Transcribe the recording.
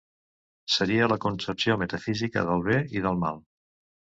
Seria la concepció metafísica del bé i del mal.